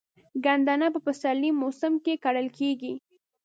ګندنه په پسرلي موسم کې کرل کیږي.